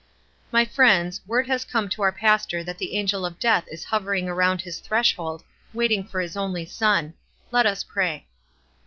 "My friends, word has come to our pastor that the ano el of death is hovering around his threshold, waiting for his only son. Let us pray."